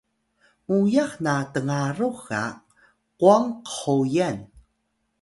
muyax na tngarux ga qwang khoyan